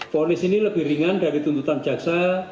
fonis ini lebih ringan dari tuntutan jaksa